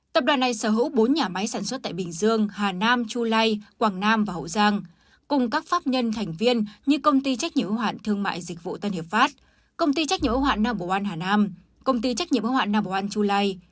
tập đoàn này sở hữu bốn nhà máy sản xuất tại bình dương hà nam chu lây quảng nam và hậu giang cùng các pháp nhân thành viên như công ty trách nhiệm ưu hoạn thương mại dịch vụ tân hiệp pháp công ty trách nhiệm ưu hoạn no một hà nam công ty trách nhiệm ưu hoạn no một chu lây